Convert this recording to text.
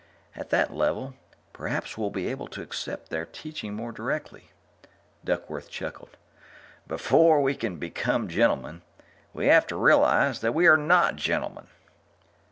At that level, perhaps we'll be able to accept their teaching more directly." Duckworth chuckled. "Before we can become gentlemen, we have to realize that we are not gentlemen."